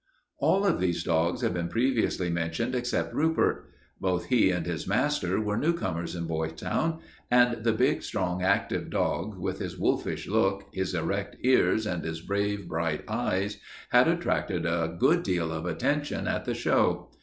All of these dogs have been previously mentioned except Rupert. Both he and his master were newcomers in Boytown, and the big, strong, active dog, with his wolfish look, his erect ears, and his brave, bright eyes, had attracted a good deal of attention at the show.